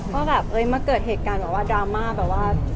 ว่าแบบมาเกิดเหตุการณ์แบบว่าดราม่าแบบว่า